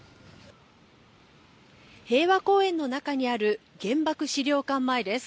平和公園の中にある原爆資料館前です。